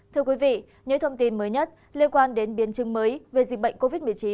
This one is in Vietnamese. thưa quý vị những thông tin mới nhất liên quan đến biến chứng mới về dịch bệnh covid một mươi chín